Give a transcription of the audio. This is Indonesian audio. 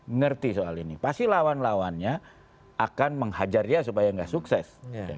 orang kan ngerti soal ini pasti lawan lawannya akan menghajar dia supaya gak sukses